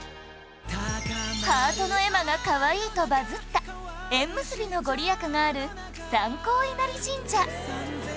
「ハートの絵馬がかわいい」とバズった縁結びの御利益がある三光稲荷神社